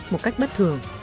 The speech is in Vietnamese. một cách bất thường